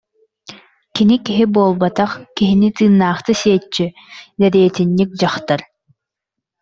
Кини киһи буолбатах, киһини «тыыннаахтыы сиэччи» дэриэтинньик дьахтар